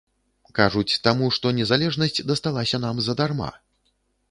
Кажуць, таму, што незалежнасць дасталася нам задарма.